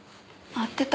会ってた？